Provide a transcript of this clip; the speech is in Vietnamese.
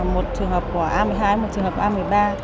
một trường hợp của a một mươi hai một trường hợp a một mươi ba